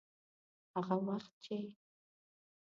هغه وخت چې.